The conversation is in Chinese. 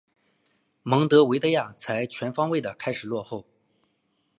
蒙得维的亚才全方位的开始落后。